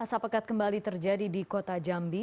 asap pekat kembali terjadi di kota jambi